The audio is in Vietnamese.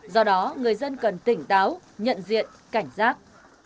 do đó người dân cần tỉnh táo nhận diện cảnh giác